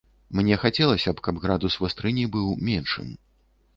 Мне хацелася б, каб градус вастрыні быў меншым.